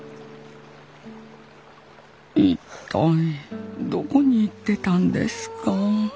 一体どこに行ってたんですか？